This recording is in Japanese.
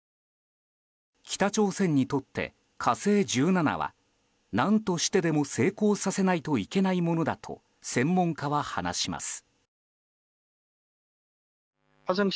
北朝鮮にとって「火星１７」は何としてでも成功させないといけないものだと専門家は話します。